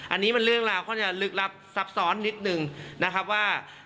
อันนี้มันเรื่องราวค่อนจะลึกลับซับซ้อนนิดนึงนะครับว่า